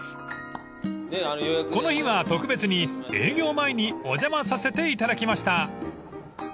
［この日は特別に営業前にお邪魔させていただきました］